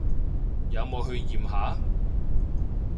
有冇去驗下？